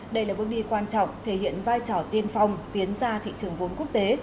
đây là bước đi quan trọng thể hiện vai trò tiên phong tiến ra thị trường vốn quốc tế